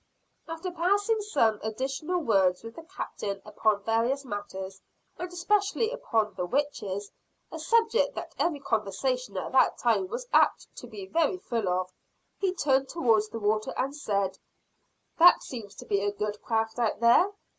After passing some additional words with the captain upon various matters, and especially upon the witches, a subject that every conversation at that time was apt to be very full of, he turned towards the water and said: "That seems to be a good craft out there."